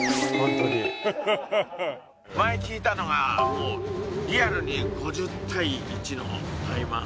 前聞いたのがもうリアルに５０対１のタイマン。